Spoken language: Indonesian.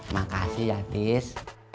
makasih ya tis